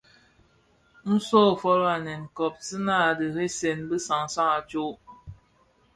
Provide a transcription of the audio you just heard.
Nso folō anèn, kobsèna a dheresèn bi sansan a tsok.